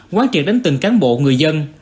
quán triệt đến từng cán bộ người dân